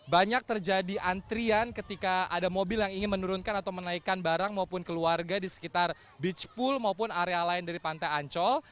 banyak terjadi antrian ketika ada mobil yang ingin menurunkan atau menaikkan barang maupun keluarga di sekitar beach pool maupun area lain dari pantai ancol